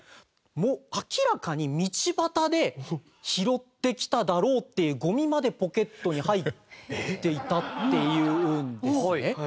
もう明らかに道端で拾ってきただろうっていうゴミまでポケットに入っていたっていうんですね。